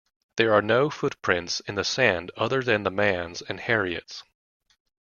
There are no footprints in the sand other than the man's and Harriet's.